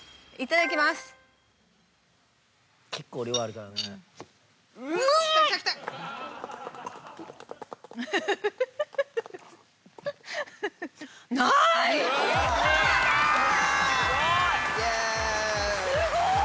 すごーい！